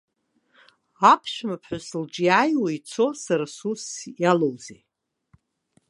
Аԥшәмаԥҳәыс лҿы иааиуа ицо сара сусс иалоузеи.